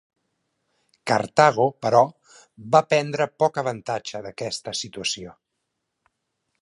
Cartago, però, va prendre poc avantatge d'aquesta situació.